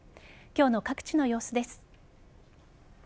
今日の各地の様子です。